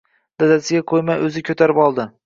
Dadasiga qoʻymay oʻzi koʻtarib oldi.